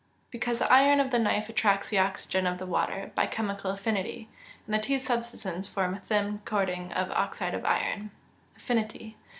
_ Because the iron of the knife attracts the oxygen of the water, by chemical affinity; and the two substances form a thin coating of oxide of iron. _Affinity.